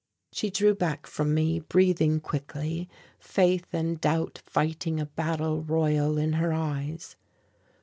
She drew back from me, breathing quickly, faith and doubt fighting a battle royal in her eyes.